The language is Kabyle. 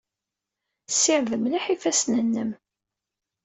Ssired mliḥ ifassen-nnem.